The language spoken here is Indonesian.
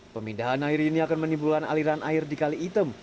pemindahan air ini akan menimbulkan aliran air di kali item